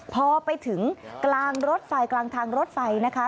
พอไปถึงกลางรถไฟกลางทางรถไฟนะคะ